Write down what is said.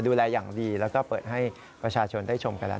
ดูแลอย่างดีแล้วก็เปิดให้ประชาชนได้ชมกันแล้ว